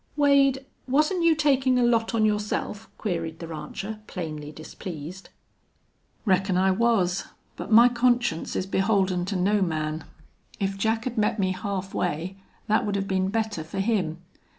"Wade, wasn't you takin' a lot on yourself?" queried the rancher, plainly displeased. "Reckon I was. But my conscience is beholden to no man. If Jack had met me half way that would have been better for him.